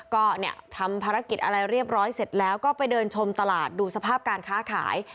ก็เนี่ยทำภารกิจอะไรเรียบร้อยเสร็จแล้วก็ไปเดินชมตลาดดูสภาพการค้าขาย